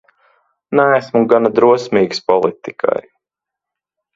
Neesmu gana drosmīgs politikai.